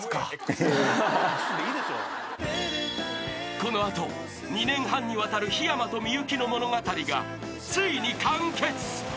［この後２年半にわたるひやまとみゆきの物語がついに完結］